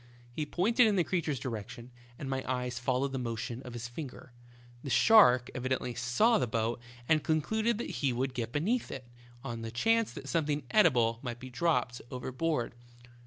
He pointed in the creature's direction, and m}^ eyes followed the motion of his finger. The shark evidently saw the boat, and concluded that he would get beneath it, on the 72 THE TALKING HANDKERCHIEE. chance that something edible might be dropped overboard.